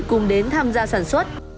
cùng đến tham gia sản xuất